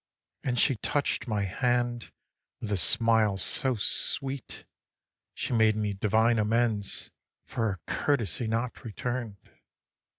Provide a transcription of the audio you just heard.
And she touch'd my hand with a smile so sweet She made me divine amends For a courtesy not return'd.